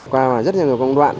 qua rất nhiều công đoạn